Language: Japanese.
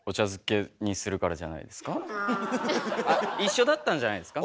あっ一緒だったんじゃないですか。